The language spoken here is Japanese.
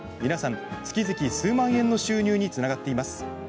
皆さん、月々数万円の収入につながっています。